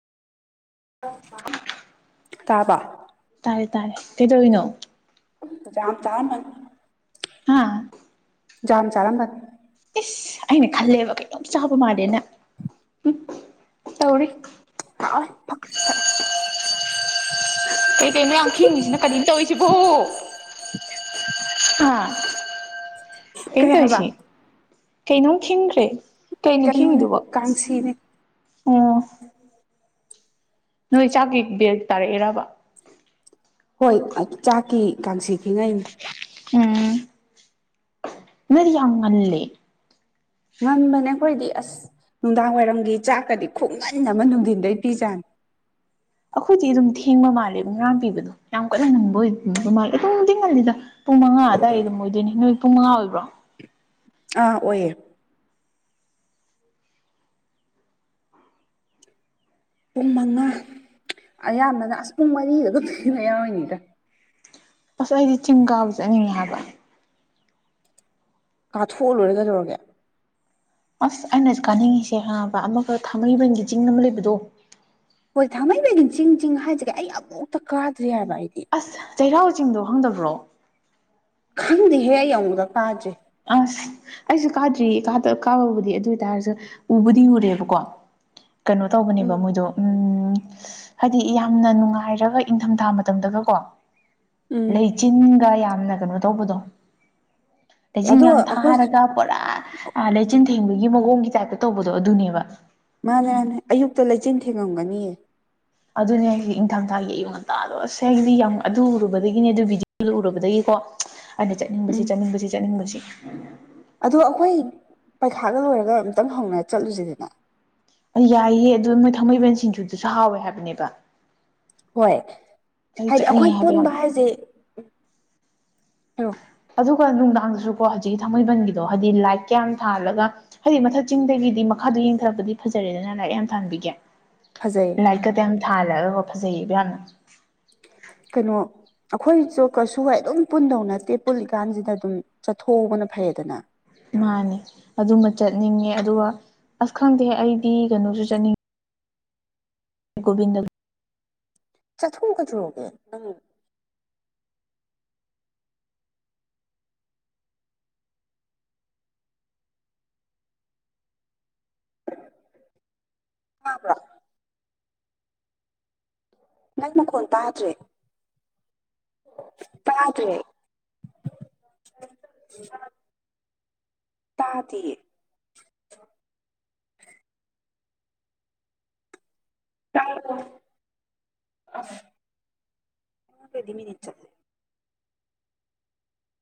ꯇꯥꯕ ꯇꯥꯔꯦ ꯇꯥꯔꯦ ꯀꯩꯗꯧꯔꯤꯅꯣ ꯆ ꯆ ꯍꯥꯥ ꯌꯥꯝ ꯆꯥꯔꯝꯕ ꯏꯁ ꯑꯩꯅ ꯈꯜꯂꯦꯕ ꯀꯩꯅꯇꯣꯝ ꯆꯥꯕ ꯃꯥꯜꯂꯦꯅ ꯎꯝ ꯇꯧꯔꯤ ꯍ ꯐ ꯐꯔ ꯀꯩꯀꯩꯅꯣ ꯌꯥꯝ ꯈꯤꯡꯉꯤꯁꯤꯅ ꯀꯔꯤꯝ ꯇꯧꯔꯤꯁꯤꯕꯣ ꯑ ꯀꯩ ꯇꯧꯣꯏꯁꯤ ꯀꯩꯅꯣꯝ ꯊꯈꯤꯟꯈ꯭ꯔꯦ ꯀꯩꯅꯣ ꯀꯩꯅꯣꯅꯦ ꯈꯈꯤꯉꯤꯗꯨꯕ ꯀꯥꯡꯁꯤꯅꯦ ꯎꯝ ꯅꯣꯏ ꯆꯥꯛꯒꯤ ꯕꯦꯜ ꯇꯥꯔꯛꯑꯦꯔꯕ ꯍꯣꯏ ꯆꯥꯛꯀꯤ ꯀꯥꯡꯁꯤꯈꯤꯉꯩꯅꯤ ꯎꯝ ꯅꯔꯤ ꯌꯥꯝ ꯉꯂꯦ ꯉꯟꯕꯅꯦ ꯑꯩꯈꯣꯏꯗꯤ ꯑꯁ ꯅꯨꯡꯗꯥꯡ ꯋꯥꯏꯔꯝꯒꯤ ꯆꯥꯛꯀꯗꯤ ꯈꯣꯡꯃꯟ ꯑꯃ ꯅꯨꯡꯊꯤꯟꯗꯩ ꯄꯤꯖꯥꯅꯤ ꯑꯩꯈꯣꯏꯗꯤ ꯑꯗꯨꯝ ꯊꯦꯡꯕ ꯃꯥꯜꯂꯦꯕ ꯉꯥ ꯄꯤꯕꯗꯣ ꯌꯥꯝ ꯀꯟꯅ ꯅꯪꯕ ꯑꯣꯏꯕ ꯃꯥꯜꯂꯦ ꯑꯗꯨꯝꯗꯤ ꯉꯜꯂꯤꯗ ꯄꯨꯡ ꯃꯉꯥ ꯑ ꯑꯗꯨꯋꯥꯏ ꯑꯗꯨꯝ ꯑꯣꯏꯗꯣꯏꯅꯤ ꯅꯨꯃꯤꯠ ꯄꯨꯡ ꯃꯉꯥ ꯑꯣꯏꯕ꯭ꯔꯣ ꯑꯥ ꯑꯣꯏꯌꯦ ꯄꯨꯡ ꯃꯉꯥ ꯑꯌꯥꯝꯕꯅ ꯑꯁ ꯄꯨꯡ ꯃꯔꯤꯗ ꯑꯗꯨꯝ ꯊꯤꯅ ꯌꯥꯎꯔꯤꯅꯤꯗ ꯑꯁ ꯑꯩꯗꯤ ꯆꯤꯡ ꯀꯥꯎꯕ ꯆꯠꯅꯤꯡꯉꯦ ꯍꯥꯏꯕ ꯀꯥꯠꯊꯣꯛꯑ ꯂꯣꯏꯔꯒꯩꯗꯧꯔꯒꯦ ꯑꯁ ꯑꯩꯅ ꯀꯥꯅꯤꯡꯉꯤꯁꯦ ꯍꯕ ꯑꯃꯒ ꯊꯥꯡꯃꯩꯕꯟꯒꯤ ꯆꯤꯡ ꯑꯃ ꯂꯩꯕꯗꯣ ꯍꯣꯏ ꯊꯥꯡꯃꯩꯕꯩꯒꯤ ꯆꯤꯡ ꯆꯤꯡ ꯍꯥꯏꯁꯤꯒꯦ ꯑꯩ ꯑꯃꯨꯛꯇ ꯀꯥꯗ꯭ꯔꯤ ꯍꯥꯏꯕ ꯑꯩꯗꯤ ꯑꯁ ꯆꯩꯔꯥꯎ ꯆꯤꯡꯗꯣ ꯍꯪꯗꯕ꯭ꯔꯣ ꯈꯪꯗꯦꯍꯦ ꯌꯧꯉꯨꯗ ꯀꯥꯁꯦ ꯑ ꯑꯩꯁꯨ ꯀꯥꯗ꯭ꯔꯤ ꯀꯥꯕꯕꯨꯗꯤ ꯑꯗꯨ ꯑꯣꯏꯇꯥꯔꯁꯨ ꯎꯕꯨꯗꯤ ꯎꯨꯔꯦꯕꯀꯣ ꯀꯩꯅꯣ ꯇꯧꯕꯅꯦꯕ ꯎꯝ ꯃꯣꯏꯗꯣ ꯎꯝ ꯍꯥꯏꯗꯤ ꯌꯥꯝꯅ ꯅꯨꯡꯉꯥꯏꯔꯒ ꯏꯪꯊꯝꯊꯥ ꯃꯇꯝꯗꯒꯀꯣ ꯎꯝ ꯂꯩ ꯃꯆꯤꯟꯒ ꯌꯥꯝꯅ ꯀꯩꯅꯣ ꯇꯧꯕꯗꯣ ꯂꯩꯆꯤꯟ ꯑꯗꯣ ꯌꯥꯝ ꯑꯩꯈꯣꯏ ꯊꯥꯔꯒ ꯄꯨꯔꯥ ꯂꯩꯆꯤꯟ ꯊꯦꯡꯕꯒꯤ ꯃꯑꯣꯡꯒꯤ ꯇꯥꯏꯞꯇ ꯇꯧꯕꯗꯣ ꯑꯗꯨꯅꯦꯕ ꯃꯥꯅꯦ ꯃꯥꯅꯦ ꯑꯌꯨꯛꯇ ꯂꯩꯆꯤꯜ ꯊꯦꯡꯉꯝꯒꯅꯤꯌꯦ ꯑꯗꯨꯅꯦ ꯏꯪꯊꯥꯝꯊꯥꯒꯤ ꯑꯌꯨꯛ ꯉꯟꯇꯥꯗꯣ ꯑꯁꯦ ꯍꯥꯏꯗꯤ ꯌꯥꯝ ꯑꯗꯨ ꯎꯔꯨꯕꯗꯒꯤꯅꯦ ꯑꯗꯨ ꯚꯤꯗꯤꯑꯣ ꯎꯔꯨꯕꯗꯒꯤꯀꯣ ꯑꯩꯅ ꯆꯠꯅꯤꯡꯕꯁꯤ ꯎꯝ ꯆꯠꯅꯤꯡꯕꯁꯤ ꯆꯠꯅꯤꯡꯕꯁꯤ ꯑꯗꯣ ꯑꯩꯈꯣꯏ ꯄꯩꯈꯥꯒ ꯂꯣꯏꯔꯒ ꯑꯝꯇꯪ ꯍꯧꯅ ꯆꯠꯂꯨꯁꯤꯗꯅ ꯑ ꯌꯥꯏꯌꯦ ꯑꯗꯨ ꯅꯣꯏ ꯊꯥꯡꯃꯩꯕꯟ ꯁꯤꯡꯖꯨꯗꯨꯁꯨ ꯍꯥꯎꯋꯦ ꯍꯥꯏꯕꯅꯦꯕ ꯍꯣꯏ ꯑꯩ ꯍꯥꯏꯗꯤ ꯑꯩꯈꯣꯏ ꯆꯠꯅꯤꯡꯉꯦ ꯍꯥꯏꯕ ꯌꯥꯝ ꯄꯨꯟꯕ ꯍꯥꯏꯁꯦ ꯀꯩꯅꯣ ꯑꯗꯨꯒ ꯅꯨꯡꯗꯥꯡꯗꯁꯨꯀꯣ ꯍꯧꯖꯤꯛꯀꯤ ꯊꯥꯡꯃꯩꯕꯟꯒꯤꯗꯣ ꯍꯥꯏꯗꯤ ꯂꯥꯏꯠꯀ ꯌꯥꯝ ꯊꯥꯜꯂꯒ ꯍꯥꯏꯗꯤ ꯃꯊꯛ ꯆꯤꯡꯗꯒꯤꯗꯤ ꯃꯈꯥꯗ ꯌꯦꯡꯊꯔꯛꯄꯗꯤ ꯐꯖꯔꯦꯗꯅ ꯂꯥꯏꯠ ꯌꯥꯝ ꯊꯥꯟꯕꯒꯤ ꯐꯖꯩꯌꯦ ꯂꯥꯏꯠ ꯀꯗꯨ ꯌꯥꯝ ꯊꯥꯜꯂꯒ ꯐꯖꯩꯌꯦꯕ ꯌꯥꯝꯅ ꯀꯩꯅꯣ ꯑꯩꯈꯣꯏꯁꯨ ꯀꯩꯁꯨ ꯍꯥꯏ ꯑꯗꯨꯝ ꯄꯨꯟꯗꯧ ꯅꯠꯇꯦ ꯄꯨꯜꯂꯤꯀꯥꯟꯁꯤꯗ ꯑꯗꯨꯝ ꯆꯠꯊꯣꯛꯍꯧꯕꯅ ꯐꯩꯌꯦꯗꯅ ꯃꯥꯅꯦ ꯑꯗꯨꯃ ꯆꯠꯅꯤꯡꯉꯦ ꯑꯗꯨꯒ ꯑꯁ ꯈꯪꯗꯦ ꯑꯩꯗꯤ ꯀꯩꯅꯣꯁꯨ ꯆꯠꯅꯤꯡꯉꯦ ꯒꯣꯕꯤꯟꯗ ꯆꯠꯊꯣꯛ ꯀꯩꯗꯧꯔꯒꯦ [unintelligible] [inaudible] [unintelligible] ꯅꯪ ꯃꯈꯣꯟ ꯇꯥꯗ꯭ꯔꯦ ꯇꯥꯗ꯭ꯔꯦ [unintelligible] ꯇꯥꯗꯤꯌꯦ [unintelligible]